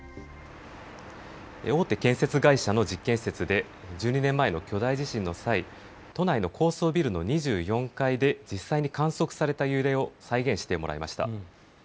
大手建設会社の実験施設で１２年前の巨大地震の際、都内の高層ビルの２４階で実際に観測された揺れを再現してもらいました。